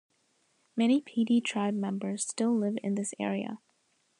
Many Pee Dee tribe members still live in this area.